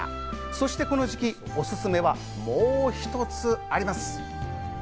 そしてこの時期おすすめはもう一つあります。